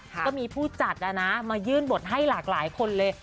ก็มีผู้จัดมายื่นบทให้หลากหลายคนเลย